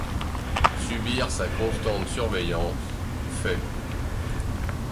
Subir sa constante surveillance : fait.